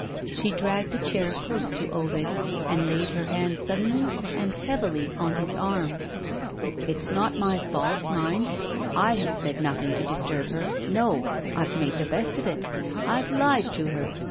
She dragged a chair close to Ovid, and laid her hand suddenly and heavily on his arm. "It's not my fault, mind; I have said nothing to disturb her. No! I've made the best of it. I've lied to her.